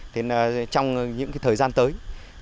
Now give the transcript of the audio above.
thì trong những thời gian tới